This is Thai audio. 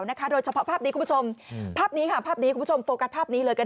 โดยเฉพาะภาพนี้คุณผู้ชมภาพนี้ค่ะภาพนี้คุณผู้ชมโฟกัสภาพนี้เลยกัน